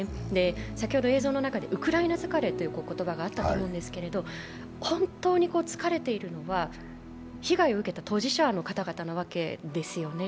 先ほど映像の中でウクライナ疲れということがありましたが本当に疲れているのは被害を受けた当事者の方々なわけですよね。